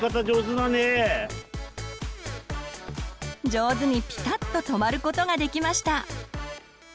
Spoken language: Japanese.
上手にピタッと止まることができました。